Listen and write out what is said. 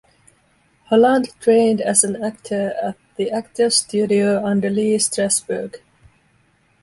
Holland trained as an actor at the Actor's Studio under Lee Strasberg.